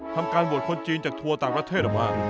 ทำการบวชคนจีนจากทัวร์ต่างประเทศออกมา